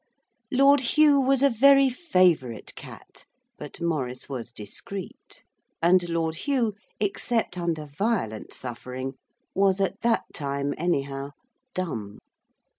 Lord Hugh was a very favourite cat, but Maurice was discreet, and Lord Hugh, except under violent suffering, was at that time anyhow, dumb.